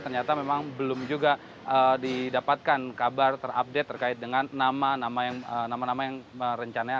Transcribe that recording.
ternyata memang belum juga didapatkan kabar terupdate terkait dengan nama nama yang rencananya